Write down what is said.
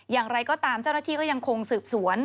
อย่างไรก็ตามเจ้าหน้าที่ก็ยังคงสืบสวน